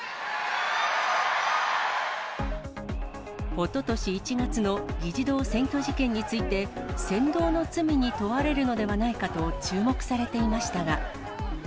おととし１月の議事堂占拠事件について、扇動の罪に問われるのではないかと注目されていましたが。